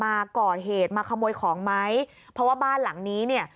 มาก่อเหตุมาขโมยของไหมเพราะว่าบ้านหลังนี้เนี่ย